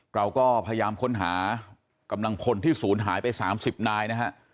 เราก็พยายามค้นหากำลังพลที่ศูนย์หายไป๓๐นายนะฮะ